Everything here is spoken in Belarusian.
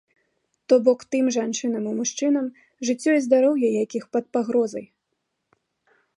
То бок тым жанчынам і мужчынам, жыццё і здароўе якіх пад пагрозай.